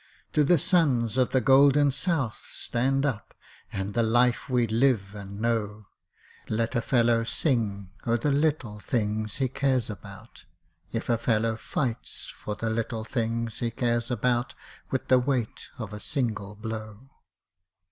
_To the Sons of the Golden South (Stand up!), And the life we live and know, Let a fellow sing o' the little things he cares about, If a fellow fights for the little things he cares about With the weight of a single blow!